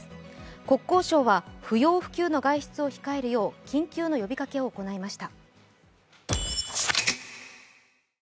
国交省は不要不急の外出を控えるよう緊急の呼びかけを行いました。